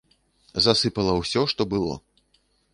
Засыпала ўсё, што было.